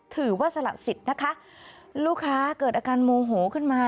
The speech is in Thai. สละสิทธิ์นะคะลูกค้าเกิดอาการโมโหขึ้นมา